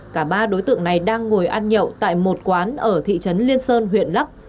cả ba đối tượng này đang ngồi ăn nhậu tại một quán ở thị trấn liên sơn huyện lắc